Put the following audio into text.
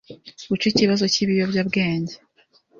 guca ikibazo cy’ibiyobyabwenge